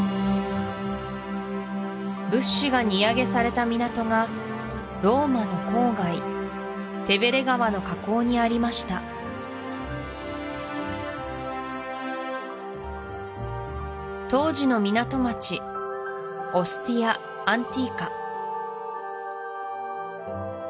物資が荷揚げされた港がローマの郊外テヴェレ川の河口にありました当時の港町オスティア・アンティーカ